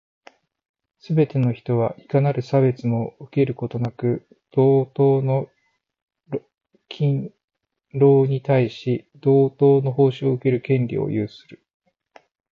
すべて人は、いかなる差別をも受けることなく、同等の勤労に対し、同等の報酬を受ける権利を有する。